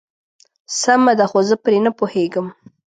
سمه ده خو زه پرې نه پوهيږم.